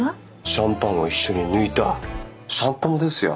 シャンパンを一緒に抜いたシャン友ですよ。